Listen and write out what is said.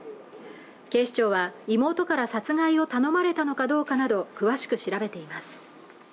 警視庁は妹から殺害を頼まれたのかどうかなど詳しく調べています